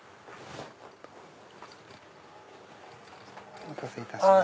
お待たせいたしました。